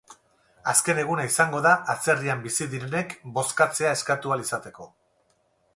Azken eguna izango da atzerrian bizi direnek bozkatzea eskatu ahal izateko.